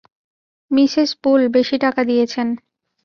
Mrs Bull বেশী টাকা দিয়েছেন।